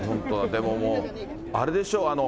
でももうあれでしょ。